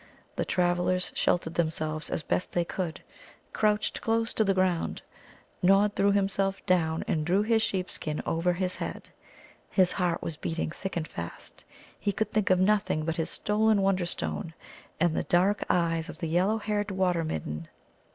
The travellers sheltered themselves as best they could, crouched close to the ground. Nod threw himself down and drew his sheep skin over his head. His heart was beating thick and fast. He could think of nothing but his stolen Wonderstone and the dark eyes of the yellow haired Water midden.